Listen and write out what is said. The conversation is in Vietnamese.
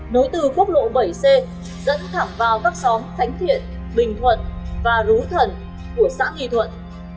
nối từ khuốc lộ bảy c dẫn thẳng vào các xóm khánh thiện bình thuận và rú thần của xã nghì thuận